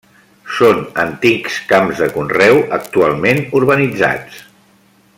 Són antics camps de conreu, actualment urbanitzats.